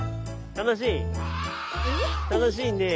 楽しいね。